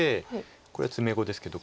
これ詰碁ですけど。